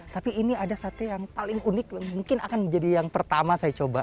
tapi ini ada sate yang paling unik mungkin akan menjadi yang pertama saya coba